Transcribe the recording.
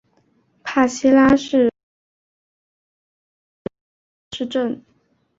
帕西拉是巴西伯南布哥州的一个市镇。